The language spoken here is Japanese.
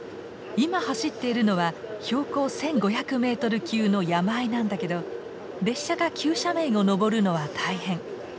今走ってるのは標高１，５００メートル級の山あいなんだけど列車が急斜面を登るのは大変。